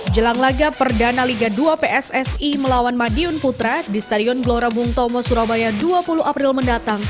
jelang laga perdana liga dua pssi melawan madiun putra di stadion glora bung tomo surabaya dua puluh april mendatang